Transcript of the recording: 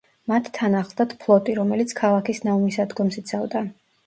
მათ თან ახლდათ ფლოტი, რომელიც ქალაქის ნავმისადგომს იცავდა.